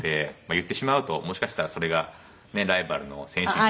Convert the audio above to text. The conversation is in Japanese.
言ってしまうともしかしたらそれがライバルの選手にも。